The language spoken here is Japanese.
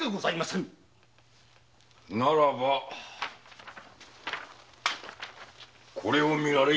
ならばこれを見られい。